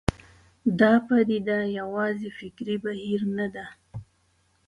دا پدیده یوازې فکري بهیر نه ده.